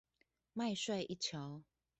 麥帥一橋